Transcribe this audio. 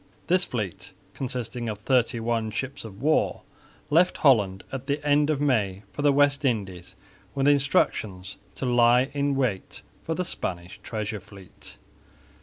This fleet, consisting of thirty one ships of war, left Holland at the end of May for the West Indies with instructions to lie in wait for the Spanish Treasure Fleet.